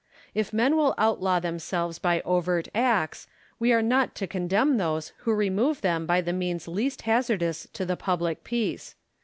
If men will outlaw themselves by overt acts, we are not to condemn those who remove them by the means least hazard ous to the public peace.